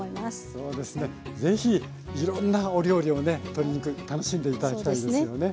そうですねぜひいろんなお料理をね鶏肉楽しんで頂きたいですよね。